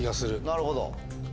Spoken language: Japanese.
なるほど。